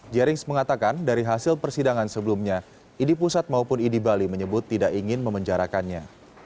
jerings mengatakan dari hasil persidangan sebelumnya idi pusat maupun idi bali menyebut tidak ingin memenjarakannya